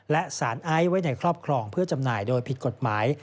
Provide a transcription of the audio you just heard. และสารไอซ์ไว้ในครอบครองเพื่อจำหน่ายโดยผิดกฎหมาย